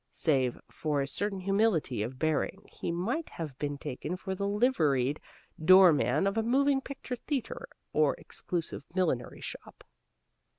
Save for a certain humility of bearing, he might have been taken for the liveried door man of a moving picture theater or exclusive millinery shop.